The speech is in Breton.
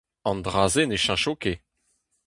An dra-se ne cheñcho ket.